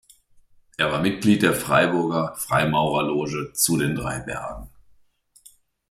Er war Mitglied der Freiberger Freimaurerloge "Zu den drey Bergen".